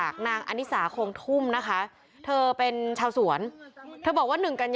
คุณสื่วก็ด้วย